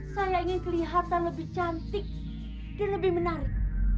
saya ingin kelihatan lebih cantik dan lebih menarik